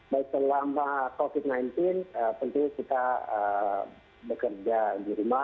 baik selama covid sembilan belas tentunya kita bekerja di rumah